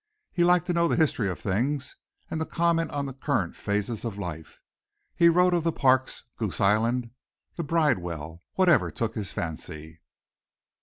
He liked to know the history of things and to comment on the current phases of life. He wrote of the parks, Goose Island, the Bridewell, whatever took his fancy.